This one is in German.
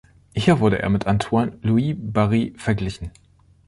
Hier wurde er mit Antoine-Louis Barye verglichen.